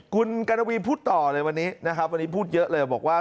คุณกัณฑีบอกต่อเลยวันนี้วันนี้พูดเยอะเลยบอกว่า